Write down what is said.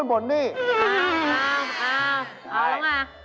เอาอะไรกัน